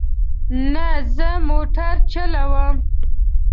نه، زه موټر چلوم